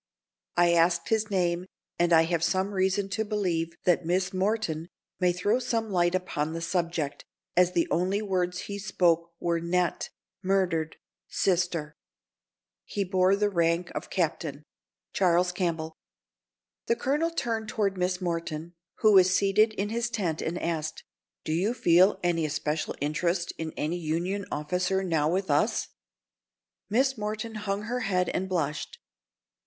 I asked his name, and I have some reason to believe that Miss Morton may throw some light upon the subject, as the only words he spoke were 'Net—murdered—sister—.' He bore the rank of captain. CHARLES CAMPBELL." The colonel turned toward Miss Morton, who was seated in his tent, and asked: "Do you feel any especial interest in any Union officer now with us?" Miss Morton hung her head and blushed.